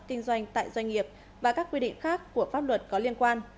kinh doanh tại doanh nghiệp và các quy định khác của pháp luật có liên quan